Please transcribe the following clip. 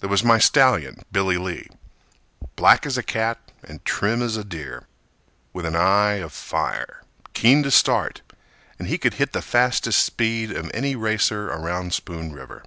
There was my stallion, Billy Lee, Black as a cat and trim as a deer, With an eye of fire, keen to start, And he could hit the fastest speed Of any racer around Spoon River.